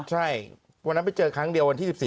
ใช่วันนั้นไปเจอครั้งเดียววันที่๑๔